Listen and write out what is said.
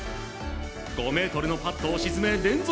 ５ｍのパットを沈め連続